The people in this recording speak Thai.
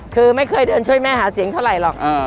คือไม่เคยเดินช่วยแม่หาเสียงเท่าไหร่หรอก